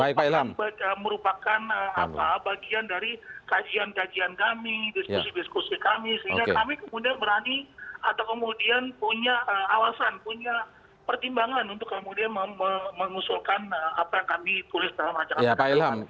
tulis dalam acak acakan